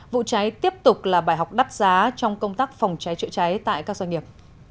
vụ cháy tiếp tục là bài học đắt giá trong công tác phòng cháy chữa cháy tại các doanh nghiệp